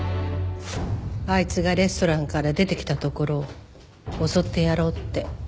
あいつがレストランから出てきたところを襲ってやろうって。